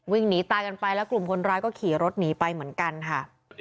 วิ่งหนีตายกันไปแล้วกลุ่มคนร้ายก็ขี่รถหนีไปเหมือนกันค่ะ